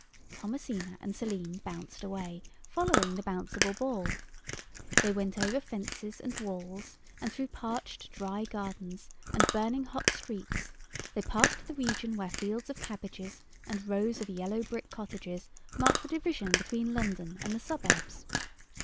Thomasina and Selim bounced away, following the Bouncible Ball. They went over fences and walls, and through parched, dry gardens and burning hot streets; they passed the region where fields of cabbages and rows of yellow brick cottages mark the division between London and the suburbs.